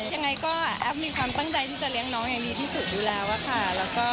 ยังไงก็แอฟมีความตั้งใจที่จะเลี้ยงน้องอย่างดีที่สุดอยู่แล้วอะค่ะ